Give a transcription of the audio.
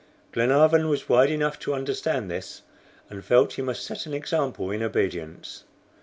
Glenarvan was wise enough to understand this, and felt he must set an example in obedience.